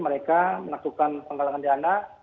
mereka melakukan penggalangan dana